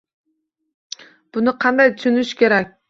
Buni qanday tushunish kerak?